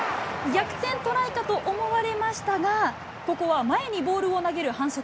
逆転トライかと思われましたが、ここは前にボールを投げる反則。